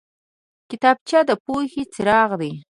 کتابچه د پوهې څراغ دی